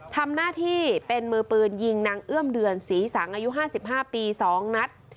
ทำหน้าที่เป็นมือปืนยิงนางเอื้อมเดือนศรีสังอายุ๕๕ปี๒นัด